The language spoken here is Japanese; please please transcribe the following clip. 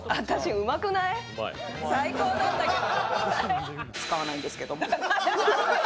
最高なんだけど。